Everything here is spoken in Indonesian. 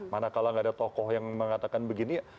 manakala gak ada tokoh yang mengatakan begini